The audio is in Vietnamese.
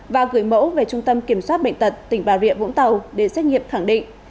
và gửi mẫu về trung tâm kiểm soát bệnh tật tỉnh bà rịa vũng tàu để xét nghiệm khẳng định